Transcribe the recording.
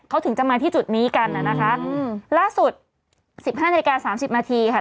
เขาถึงจะมาที่จุดนี้กันน่ะนะคะอืมล่าสุดสิบห้านาฬิกาสามสิบนาทีค่ะ